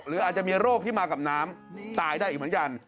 หรืออาจจะมีโรคที่มากับน้ำตายได้อีกเหมือนกัน